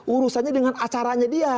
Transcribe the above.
urusannya dengan acaranya dia